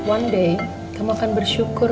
one day kamu akan bersyukur